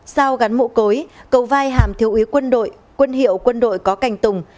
sao gắn mũ cối cầu vai hàm thiếu úy quân đội quân hiệu quân đội có cành tùng